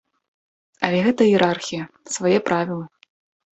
Але гэта іерархія, свае правілы.